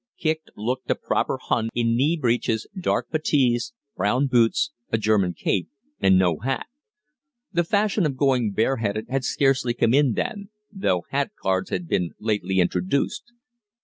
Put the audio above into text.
Kicq looked a proper Hun in knee breeches, dark puttees, brown boots, a German cape, and no hat. The fashion of going bareheaded had scarcely come in then, though hat cards had been lately introduced.